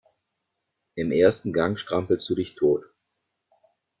Im ersten Gang strampelst du dich tot.